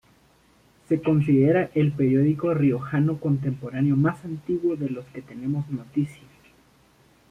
Se considera el periódico riojano contemporáneo más antiguo de los que tenemos noticia.